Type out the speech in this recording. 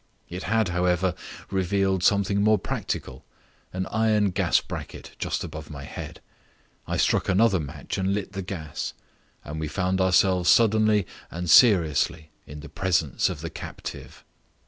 It had, however, revealed something more practical an iron gas bracket just above my head. I struck another match and lit the gas. And we found ourselves suddenly and seriously in the presence of the captive.